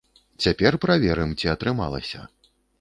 Цяпер праверым, ці атрымалася.